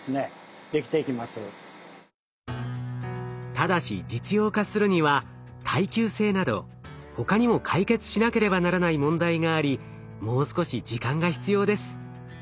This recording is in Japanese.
ただし実用化するには耐久性など他にも解決しなければならない問題がありもう少し時間が必要です。